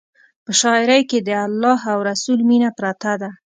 په شاعرۍ کې د الله او رسول مینه پرته ده.